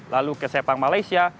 lalu ke sepang malaysia